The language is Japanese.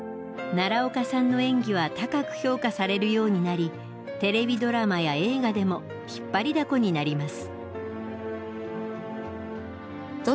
奈良岡さんの演技は高く評価されるようになりテレビドラマや映画でも引っ張りだこになります。